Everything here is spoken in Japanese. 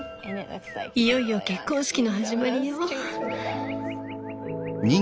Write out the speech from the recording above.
いよいよ結婚式の始まりよ！